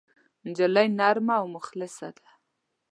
نجلۍ نرمه او مخلصه ده.